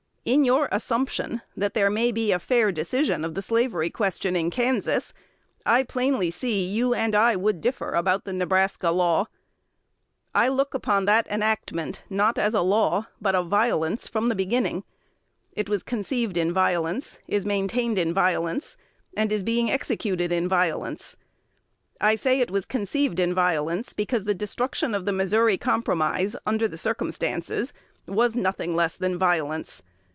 In your assumption that there may be a fair decision of the slavery question in Kansas, I plainly see you and I would differ about the Nebraska law. I look upon that enactment, not as a law, but a violence from the beginning. It was conceived in violence, is maintained in violence, and is being executed in violence. I say it was conceived in violence, because the destruction of the Missouri Compromise, under the circumstances, was nothing less than violence.